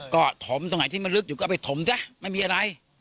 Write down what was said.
ก็ถมตรงไหนที่มันลึกอยู่ก็ไปถมซะไม่มีอะไร